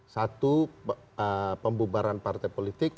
satu pembubaran partai politik